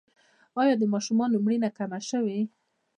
آیا د ماشومانو مړینه کمه شوې؟